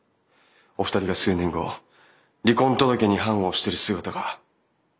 お二人が数年後離婚届に判を押している姿が。